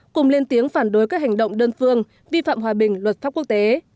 cùng lên tiếng phản đối các hành động đơn phương vi phạm hòa bình luật pháp quốc tế